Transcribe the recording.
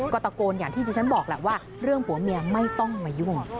ก็ตะโกนอย่างที่ที่ฉันบอกแหละว่าเรื่องผัวเมียไม่ต้องมายุ่ง